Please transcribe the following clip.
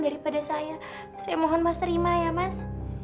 daripada saya saya mohon mas terima ya mas